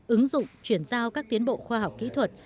ứng dụng chuyển giao các tiến bộ khoa học kỹ thuật